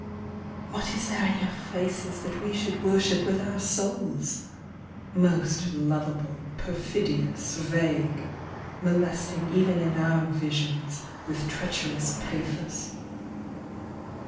What is there in your faces That we should worship with our souls ? Most lovable, perfidious, Vague — Molesting even in our visions With treacherous pathos.